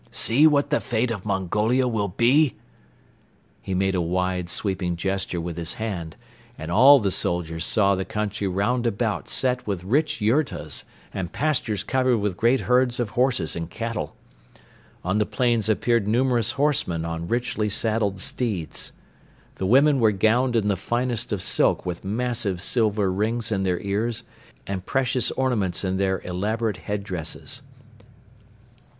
See what the fate of Mongolia will be!" He made a great sweeping gesture with his hand and all the soldiers saw the country round about set with rich yurtas and pastures covered with great herds of horses and cattle. On the plains appeared numerous horsemen on richly saddled steeds. The women were gowned in the finest of silk with massive silver rings in their ears and precious ornaments in their elaborate head dresses.